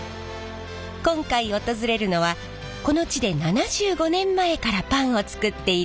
今回訪れるのはこの地で７５年前からパンを作っている工場。